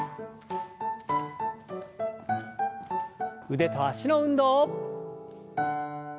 腕と脚の運動。